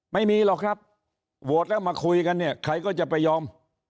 ไม่มีหรอกครับโหวตแล้วมาคุยกันเนี่ยใครก็จะไปยอม